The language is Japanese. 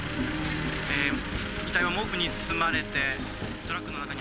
遺体は毛布に包まれてトラックの中に。